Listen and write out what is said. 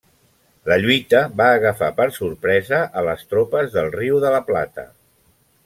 La lluita va agafar per sorpresa a les tropes del Riu de la Plata.